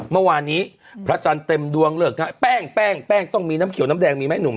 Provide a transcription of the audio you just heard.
เมื่อวานนี้พระจันทร์เต็มดวงเลือกแป้งแป้งต้องมีน้ำเขียวน้ำแดงมีไหมหนุ่ม